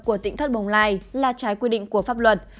của tỉnh thất bồng lai là trái quy định của pháp luật